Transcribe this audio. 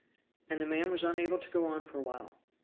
And the man was unable to go on for a while.